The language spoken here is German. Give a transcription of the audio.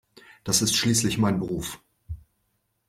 Das ist schließlich mein Beruf.